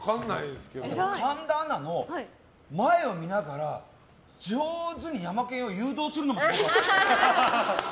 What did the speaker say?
神田アナも前を見ながら上手にヤマケンを誘導するのがうまかった。